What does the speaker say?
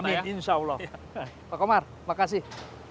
amin insya allah pak komar makasih